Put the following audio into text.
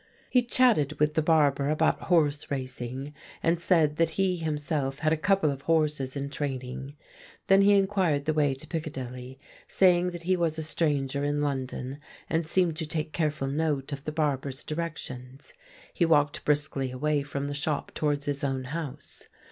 He chatted with the barber about horse racingj and said that he him self had a couple of horses in train ing. Then he inquired the way to Piccadilly, saying that he was a stranger in London, and seemed to take careful note of the barber's directions. He walked briskly away from the shop towards his own house.